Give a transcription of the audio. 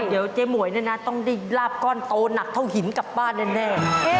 เดี๋ยวเจ๊หมวยเนี่ยนะต้องได้ลาบก้อนโตหนักเท่าหินกลับบ้านแน่